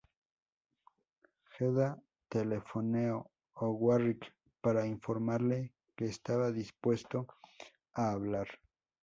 Gedda telefoneó a Warrick para informarle que estaba "dispuesto a hablar".